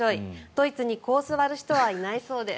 ドイツにこう座る人はいないそうです。